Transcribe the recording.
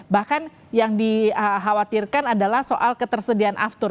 bahkan yang dikhawatirkan adalah soal ketersediaan aftur